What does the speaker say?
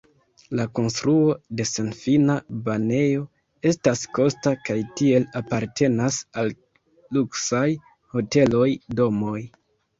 La konstruo de senfina banejo estas kosta kaj tiel apartenas al luksaj hoteloj, domoj.